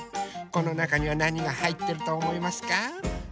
このなかにはなにがはいってるとおもいますか？